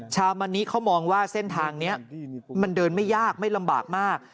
มานิเขามองว่าเส้นทางนี้มันเดินไม่ยากไม่ลำบากมาก